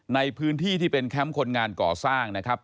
ในพื้นที่ที่เป็นแคมป์คนงานก่อสร้างนะครับ